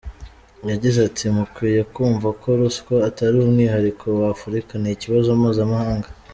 Yagize ati “Mukwiye kumva ko ruswa atari umwihariko wa Afurika, ni ikibazo mpuzamahanga.